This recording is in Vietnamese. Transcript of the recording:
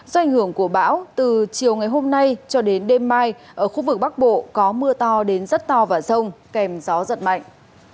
do ảnh hưởng của bão từ chiều ngày hôm nay cho đến đêm mai ở khu vực bắc bộ có mưa to đến rất to và rông kèm gió giật mạnh